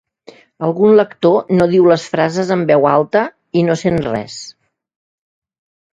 Algun lector no diu les frases amb veu alta i no se sent res